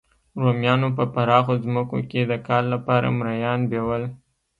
رومیانو په پراخو ځمکو کې د کار لپاره مریان بیول